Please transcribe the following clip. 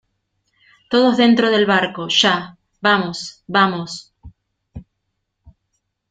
todos dentro del barco, ¡ ya! ¡ vamos , vamos !